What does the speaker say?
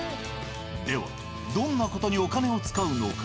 ではどんな事にお金を使うのか。